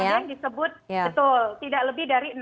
ada yang disebut betul tidak lebih dari